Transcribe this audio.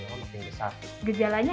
gejalanya apa aja sih terus gimana